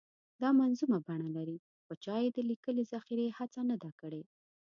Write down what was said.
دا منظومه بڼه لري خو چا یې د لیکلې ذخیرې هڅه نه ده کړې.